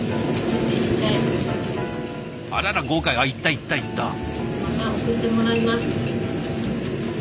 あらら豪快いったいったいった。